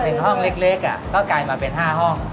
ถึงห้องเล็กก็กลายมาเป็น๕ห้อง